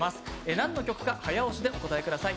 何の曲か早押しでお答えください。